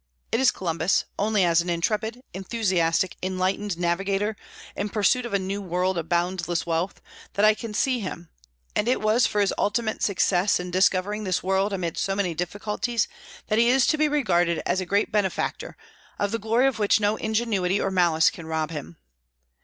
It is Columbus only as an intrepid, enthusiastic, enlightened navigator, in pursuit of a new world of boundless wealth, that I can see him; and it was for his ultimate success in discovering this world, amid so many difficulties, that he is to be regarded as a great benefactor, of the glory of which no ingenuity or malice can rob him.